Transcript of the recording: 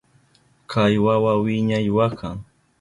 Kay wawa wiñay wakan.